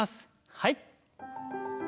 はい。